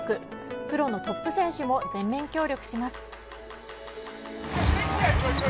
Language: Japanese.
プロのトップ選手も全面協力します。